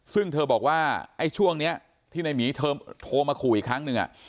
ซึ่งเธอบอกว่าไอ้ช่วงนี้ที่ในหมีเธอโทรมาขู่อีกครั้งหนึ่ง